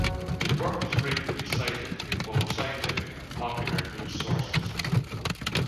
His work is frequently cited in both scientific and popular news sources.